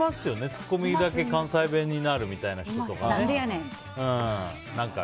ツッコミだけ関西弁になるみたいな人とか。